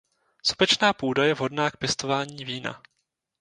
Sopečná půda je vhodná k pěstování vína.